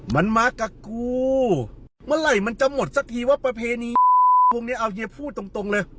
มันมากับกูเมื่อไหร่มันจะหมดสักทีว่าประเพณีพวกนี้เอาเฮียพูดตรงเลย